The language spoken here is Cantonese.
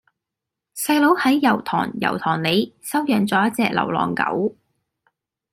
細佬喺油塘油塘里收養左一隻流浪狗